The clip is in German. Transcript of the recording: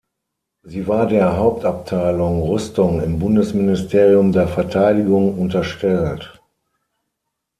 Sie war der Hauptabteilung Rüstung im Bundesministerium der Verteidigung unterstellt.